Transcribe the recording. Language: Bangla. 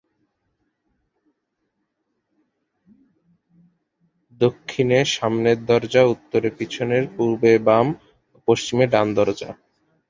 দক্ষিণে সামনের দরজা, উত্তরে পিছনের, পূর্বে বাম ও পশ্চিমে ডান দরজা।